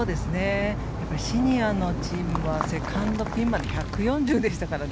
シニアのチームはセカンドピンまで１４０でしたからね。